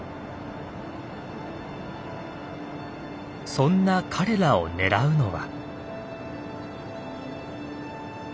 そんな彼らを狙うのは。